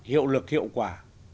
hiệu lực hiệu quả